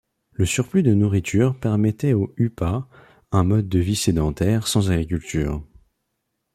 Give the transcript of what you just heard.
Le surplus de nourriture permettait aux Hupas un mode de vie sédentaire sans agriculture.